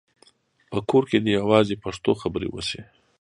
په کور کې دې یوازې پښتو خبرې وشي.